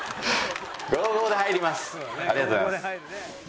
ありがとうございます。